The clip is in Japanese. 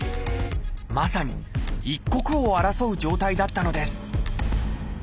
まさに一刻を争う状態だったのです